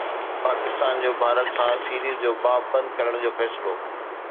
پاڪستان جو ڀارت سان سيريز جو باب بند ڪرڻ جو فيصلو